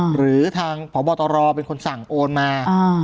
หรือทางพบตรเป็นคนสั่งโอนมา